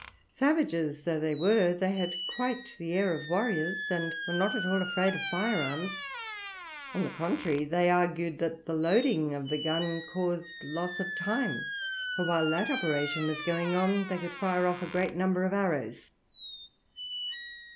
Savages though they were, they had quite the air of warriors, and were not at all afraid of fire arms; on the contrary, they argued that the loading of the gun caused loss of time, for while that operation was going on, they could fire off a great number of arrows.